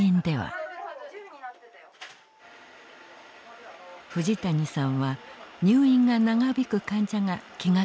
藤谷さんは入院が長引く患者が気がかりだった。